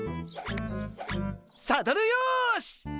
サドルよし。